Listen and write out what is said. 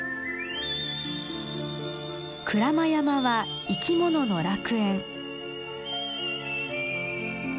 鞍馬山は生き物の楽園。